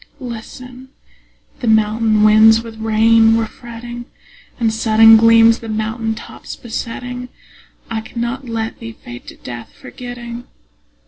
Listen: the mountain winds with rain were fretting, And sudden gleams the mountain tops besetting. I cannot let thee fade to death, forgetting.